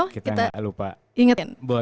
kita gak lupa